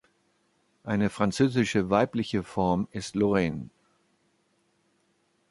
Eine französische weibliche Form ist Lorraine.